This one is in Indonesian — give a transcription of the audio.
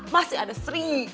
masih ada sri